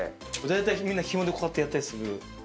みんなひもでこうやってやったりする。